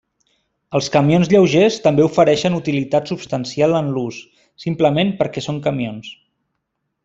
Els camions lleugers també ofereixen utilitat substancial en l'ús, simplement perquè són camions.